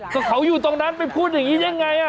ก็เขาอยู่ตรงนั้นไปพูดอย่างนี้ยังไง